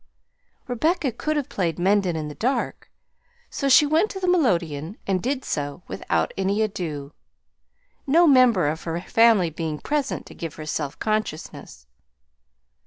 Rebecca could have played Mendon in the dark, so she went to the melodeon and did so without any ado, no member of her family being present to give her self consciousness.